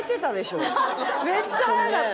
めっちゃ早かった。